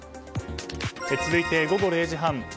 続いて、午後０時半。